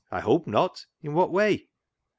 I hope not ! In what way ?